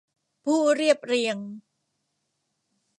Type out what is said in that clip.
ผู้เรียบเรียง